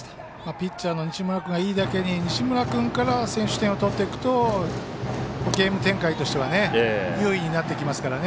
ピッチャーの西村君がいい打球西村君から先取点を取っていくとゲーム展開としては優位になってきますからね。